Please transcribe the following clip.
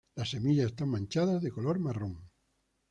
Las semillas están manchadas de color marrón.